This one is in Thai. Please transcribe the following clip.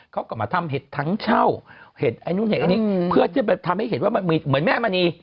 เขาก็มาทำเห็ดทั้งเช่าเห็ดไอ้นู้นเห็ดอันนี้เพื่อที่จะทำให้เห็นว่าเหมือนแม่มณี